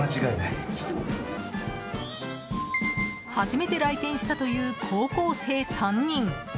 初めて来店したという高校生３人。